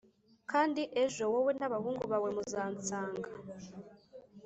kandi ejo wowe n’abahungu bawe muzansanga